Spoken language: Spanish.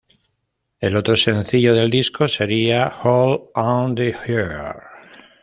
El otro sencillo del disco sería "Hole in the Earth".